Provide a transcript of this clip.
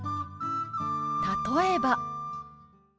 例えば。